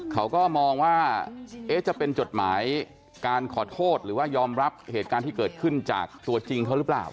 เขาก็มองว่าจะเป็นจดหมายการขอโทษหรือว่ายอมรับเหตุการณ์ที่เกิดขึ้นจากตัวจริงเขาหรือเปล่า